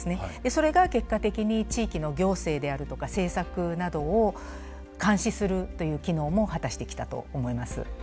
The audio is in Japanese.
それが結果的に地域の行政であるとか政策などを監視するという機能も果たしてきたと思います。